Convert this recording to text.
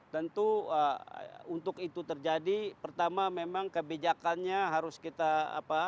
tentu untuk itu terjadi pertama memang kebijakannya harus kita apa